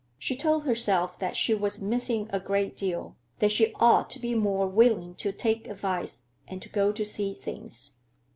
She told herself that she was missing a great deal; that she ought to be more willing to take advice and to go to see things.